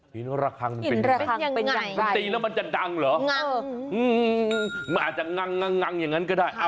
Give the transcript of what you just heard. ระคังมันเป็นระคังมันตีแล้วมันจะดังเหรอมันอาจจะงังอย่างนั้นก็ได้